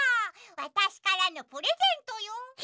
わたしからのプレゼントよ。